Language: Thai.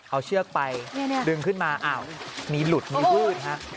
เอาเชือกไปเนี้ยเนี้ยดึงขึ้นมาอ้าวมีหลุดมีพืชฮะ